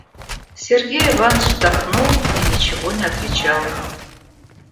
Сергей Иванович вздохнул и ничего не отвечал.